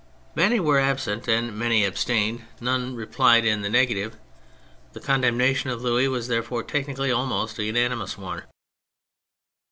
Many were absent and many abstained : none replied in the negative; the condemna tion of Louis was therefore technically almost a unanimous one.